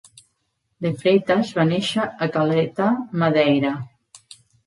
De Freitas va néixer a Calheta, Madeira.